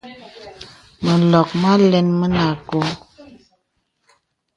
Mə lɔk məlɛn mənə àkɔ̄ɔ̄.